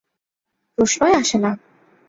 প্রশ্নই আসে না।